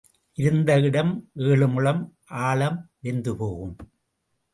இருந்த இடம் ஏழு முழம் ஆழம் வெந்து போகும்.